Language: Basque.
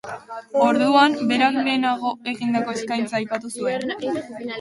Orduan, berak lehenago egindako eskaintza aipatu zuen.